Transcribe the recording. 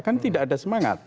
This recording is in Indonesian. kan tidak ada semangat